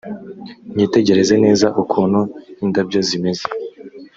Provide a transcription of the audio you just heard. mwitegereze neza ukuntu indabyo zimeze